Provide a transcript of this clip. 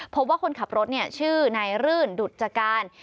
คนขับรถชื่อนายรื่นดุจการ